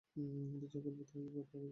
ওদের যা ঘটবে তারও তাই ঘটবে।